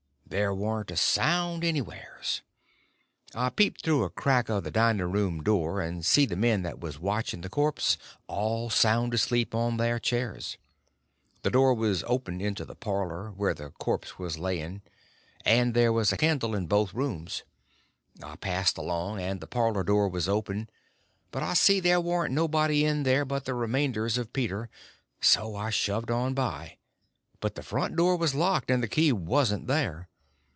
There warn't a sound anywheres. I peeped through a crack of the dining room door, and see the men that was watching the corpse all sound asleep on their chairs. The door was open into the parlor, where the corpse was laying, and there was a candle in both rooms. I passed along, and the parlor door was open; but I see there warn't nobody in there but the remainders of Peter; so I shoved on by; but the front door was locked, and the key wasn't there.